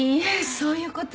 そういうことは。